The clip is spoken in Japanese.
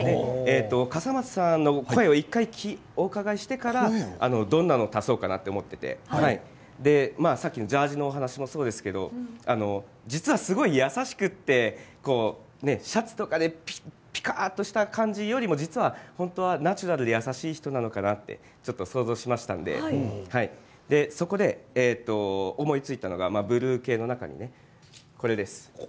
笠松さんの声を１回お伺いしてからどんなものを足そうかなと思っていてさっきのジャージの話もそうですけれど実は、すごい優しくてシャツとかでぴたっとした感じよりも実はナチュラルで優しい人なのかなと想像しましたのでそこで思いついたのがブルー系の中で、これです。